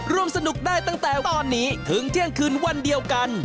ร่วมสนุกได้ตั้งแต่ตอนนี้ถึงเที่ยงคืนวันเดียวกัน